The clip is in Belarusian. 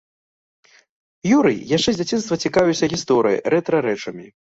Юрый яшчэ з дзяцінства цікавіўся гісторыяй, рэтра-рэчамі.